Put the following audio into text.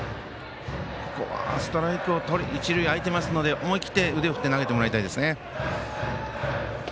ここは一塁空いてますので思い切って腕を振って投げてもらいたいですね。